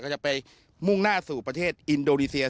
ก็จะไปมุ่งหน้าสู่ประเทศอินโดนีเซีย